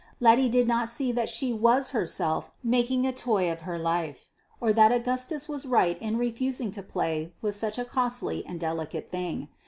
Letty did not see that she was herself making a toy of her life, or that Augustus was right in refusing to play with such a costly and delicate thing.